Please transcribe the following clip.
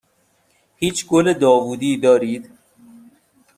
هیچ گل داوودی دارید؟